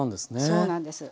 そうなんです。